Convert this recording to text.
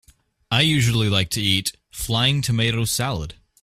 I usually like to eat flying tomato salad.